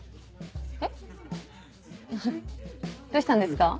えっどうしたんですか？